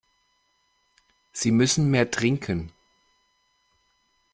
Sie müssen mehr trinken.